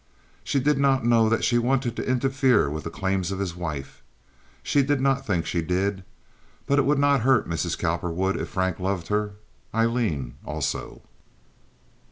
She did not know that she wanted to interfere with the claims of his wife. She did not think she did. But it would not hurt Mrs. Cowperwood if Frank loved her—Aileen—also.